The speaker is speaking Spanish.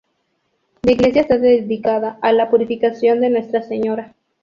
La iglesia está dedicada a La Purificación de Nuestra Señora.